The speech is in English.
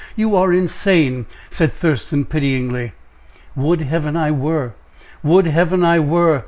you are insane!" said Thurston, pityingly. "Would Heaven I were! would Heaven I were!